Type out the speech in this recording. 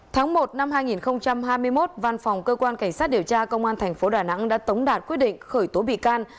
tháng một năm hai nghìn hai mươi một văn phòng cơ quan cảnh sát điều tra công an tp đà nẵng đã tống đạt quyết định khởi tố bị can